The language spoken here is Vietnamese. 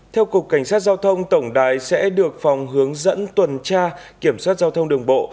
theo cục cảnh sát giao thông tổng đài sẽ được phòng hướng dẫn tuần tra kiểm soát giao thông đường bộ